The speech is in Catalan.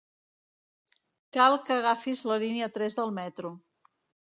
Cal que agafis la línia tres del metro.